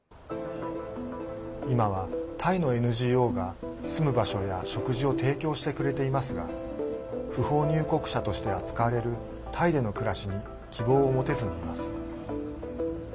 今は、タイのＮＧＯが住む場所や食事を提供してくれていますが不法入国者として扱われるタイでの暮らしに希望を持てずにいます。